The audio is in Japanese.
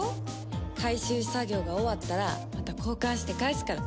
回収作業が終わったらまた交換して返すから。